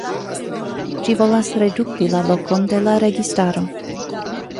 Ĝi volas redukti la lokon de la registaro.